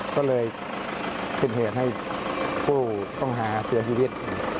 ก็เลยเป็นเหตุให้ผู้ต้องหาเสียชีวิต